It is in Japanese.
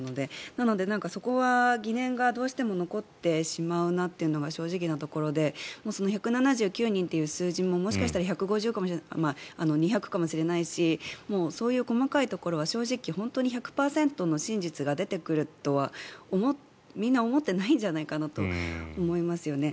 なので、そこは疑念がどうしても残ってしまうなというのが正直なところで１７９人という数字ももしかしたら１５０かもしれないし２００かもしれないしもうそういう細かいところは正直、１００％の真実が出てくるとはみんな思っていないんじゃないかと思いますよね。